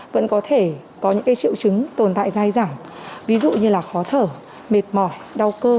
vẫn có thể có những triệu chứng tồn tại dài dẳng ví dụ như là khó thở mệt mỏi đau cơ